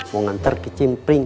mau nganter kicim pring